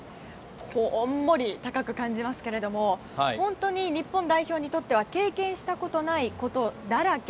こんもり高く感じますけれども本当に日本代表にとっては経験したことのないことだらけ。